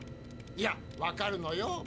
いやわかるのよ。